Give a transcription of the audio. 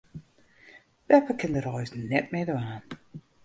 Beppe kin de reis net mear dwaan.